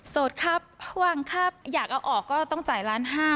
สดครับวางค่าอยากเอาออกก็ต้องจ่ายล้านห้า